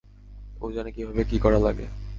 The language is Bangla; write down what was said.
ও জানে কীভাবে কী করা লাগে।